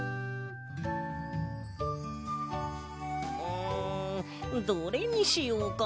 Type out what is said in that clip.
んどれにしようかな。